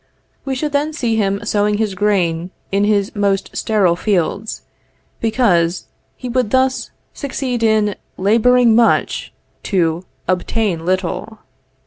We should then see him sowing his grain in his most sterile fields, because he would thus succeed in laboring much, to obtain little.